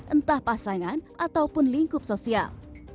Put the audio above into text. entah pasangan ataupun lingkup sosial